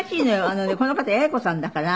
あのねこの方八重子さんだから。